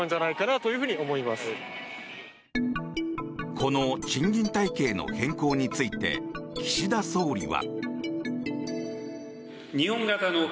この賃金体系の変更について岸田総理は。